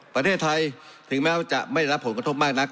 ประเทศไทยถึงแม้ว่าจะไม่ได้รับผลกระทบมากนัก